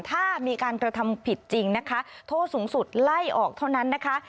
ถ้ามีการกระทำผิดจริงนะคะโทษสูงสุดไล่ออกเท่านั้นนะคะ